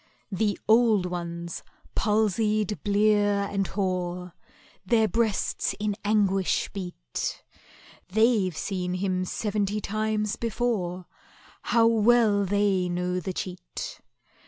The old ones, palsied, blear, and hoar, Their breasts in anguish beat— They've seen him seventy times before, How well they know the cheat!